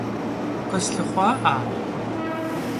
Khıslhıxhua'a?